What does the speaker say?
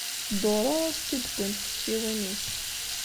Duṛu ur s-tt-id-wwint tektiwin-is.